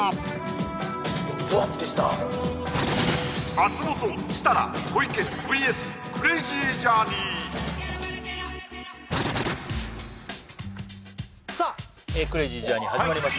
松本設楽小池ＶＳクレイジージャーニーさあクレイジージャーニー始まりました